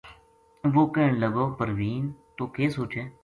وہ کہن لگو پروین توہ کے سوچے ؟